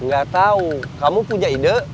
gak tahu kamu punya ide